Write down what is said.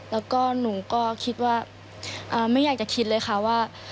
แล้วก็หนูก็คิดว่าไม่อยากจะคิดเลยค่ะว่า